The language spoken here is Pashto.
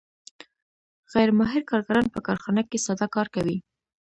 غیر ماهر کارګران په کارخانه کې ساده کار کوي